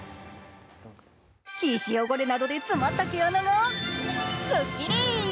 皮脂汚れなどで詰まった毛穴がすっきり！